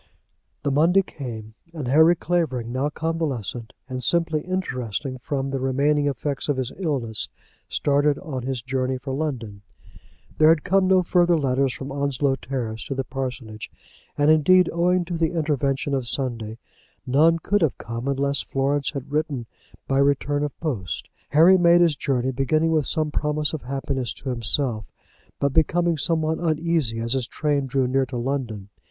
The Monday came, and Harry Clavering, now convalescent and simply interesting from the remaining effects of his illness, started on his journey for London. There had come no further letters from Onslow Terrace to the parsonage, and, indeed, owing to the intervention of Sunday, none could have come unless Florence had written by return of post. Harry made his journey, beginning it with some promise of happiness to himself, but becoming somewhat uneasy as his train drew near to London.